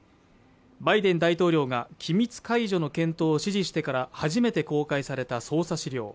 バイデン大統領が機密解除の検討を指示してから初めて公開された捜査資料。